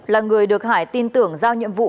là người được hải tin tưởng giao nhiệm vụ